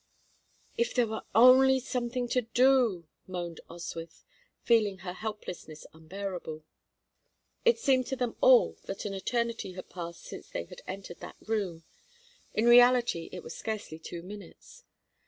"If there were only something to do!" moaned Oswyth, feeling her helplessness unbearable. It seemed to them all that an eternity had passed since they had entered that room in reality it was scarcely two minutes.